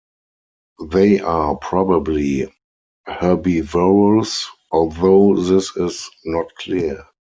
They are probably herbivorous, although this is not clear.